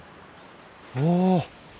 お。